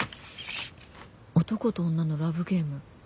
「男と女のラブゲーム」。